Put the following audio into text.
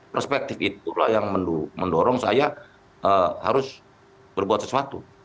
perspektif itulah yang mendorong saya harus berbuat sesuatu